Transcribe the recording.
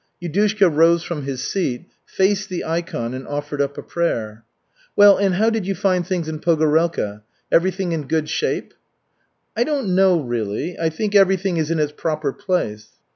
Yudushka rose from his seat, faced the ikon and offered up a prayer. "Well, and how did you find things in Pogorelka, everything in good shape?" "I don't know, really. I think everything is in its proper place."